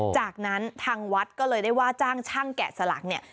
จากนั้นทางวัดก็เลยได้ว่าจ้างช่างแกะสลักเนี่ย